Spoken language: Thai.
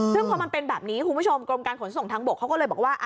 ซึ่งพอมันเป็นแบบนี้คุณผู้ชมกรมการขนส่งทางบกเขาก็เลยบอกว่า